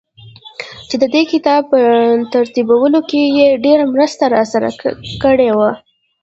چي ددې کتاب په ترتيبولو کې يې ډېره مرسته راسره کړې ده.